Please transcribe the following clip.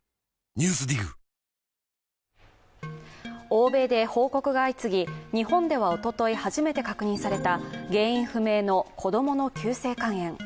欧米で報告が相次ぎ、日本ではおととい初めて確認された原因不明の子供の急性肝炎。